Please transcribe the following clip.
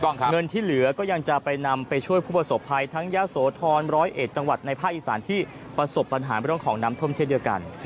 เงินที่เหลือก็ยังจะไปนำไปช่วยผู้ประสบภัยทั้งยะโสธร๑๐๑จังหวัดในภาคอีสานที่ประสบปัญหาเรื่องของน้ำท่วมเช่นเดียวกัน